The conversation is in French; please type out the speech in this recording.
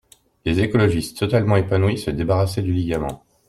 Les écologistes totalement épanouies se débarrassaient du ligament!